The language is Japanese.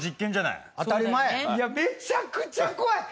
いやめちゃくちゃ怖い！